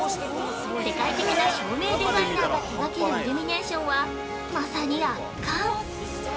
世界的な照明デザイナーが手掛けるイルミネーションはまさに圧巻！